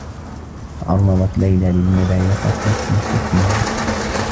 تعرّضت ليلى للمضايقة في قسمها.